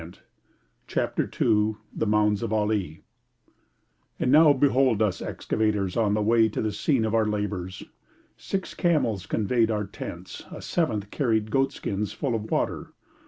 ] CHAPTER II THE MOUNDS OF ALI And now behold us excavators on the way to the scene of our labours. Six camels conveyed our tents, a seventh carried goat skins full of water.